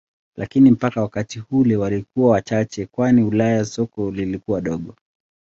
Lakini mpaka wakati ule walikuwa wachache kwani Ulaya soko lilikuwa dogo.